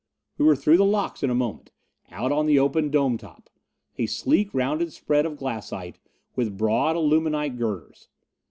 We were through the locks in a moment, out on the open dome top. A sleek, rounded spread of glassite, with broad aluminite girders.